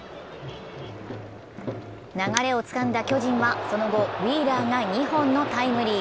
流れをつかんだ巨人はその後、ウィーラーが２本のタイムリー。